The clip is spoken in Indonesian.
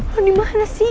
lu dimana sih